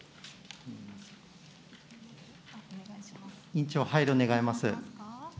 委員長、配慮願います。